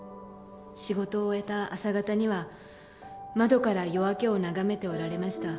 仕事を終えた朝方には窓から夜明けを眺めておられました。